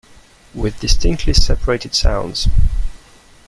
With distinctly separated sounds.